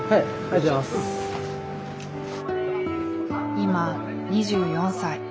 今２４歳。